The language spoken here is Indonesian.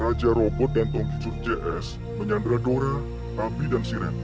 raja robot dan tongkisut cs menyandara dora ami dan siren